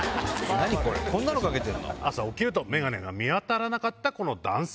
何これ、朝起きると眼鏡が見当たらなかったこの男性。